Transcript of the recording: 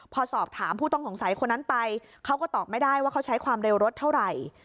พอสอบถามผู้ต้องสงสัยคนนั้นไปเขาก็ตอบไม่ได้ว่าเขาใช้ความเร็วรถเท่าไหร่